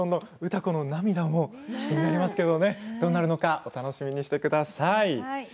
歌子の涙も気になりますがどうなるのか、お楽しみにしてください。